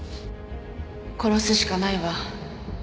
殺すしかないわ。